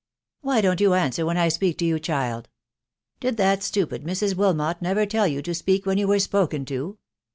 " Why don't you answer when I speak to you, child ?.... Did that stupid Mrs. Wilmot never tell you to speak when you were spoken to